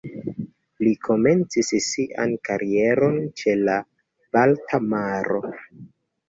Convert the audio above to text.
Li komencis sian karieron ĉe la Balta Maro.